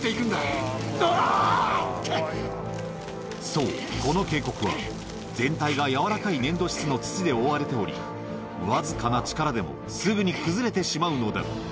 そうこの渓谷は全体が軟らかい粘土質の土で覆われておりわずかな力でもすぐに崩れてしまうのだ